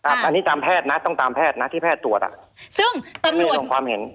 อันนี้ตามแพทย์นะต้องตามแพทย์นะที่แพทย์ตรวจ